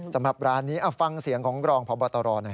สำหรับร้านนี้ฟังเสียงของรองพบตรหน่อย